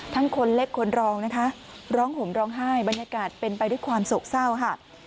คนเล็กคนรองนะคะร้องห่มร้องไห้บรรยากาศเป็นไปด้วยความโศกเศร้าค่ะ